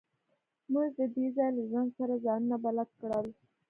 موږ د دې ځای له ژوند سره ځانونه بلد کړل